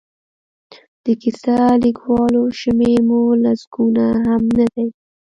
د کیسه لیکوالو شمېر مو لسګونه هم نه دی.